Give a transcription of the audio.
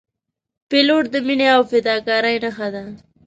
پیلوټ د مینې او فداکارۍ نښه ده.